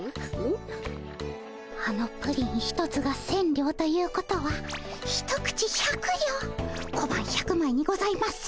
あのプリン一つが千両ということは一口百両小判１００まいにございます。